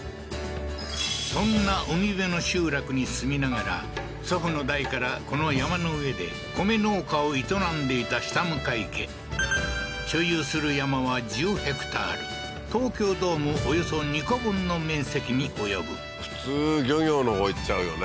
そんな海辺の集落に住みながら祖父の代からこの山の上で米農家を営んでいた下向家所有する山は１０ｈａ東京ドームおよそ２個分の面積に及ぶ普通漁業のほう行っちゃうよね